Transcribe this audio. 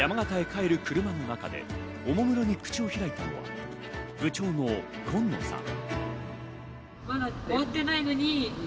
山形へ帰る車の中でおもむろに口を開いたのは部長の今野さん。